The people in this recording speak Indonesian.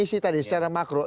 visi misi tadi secara makro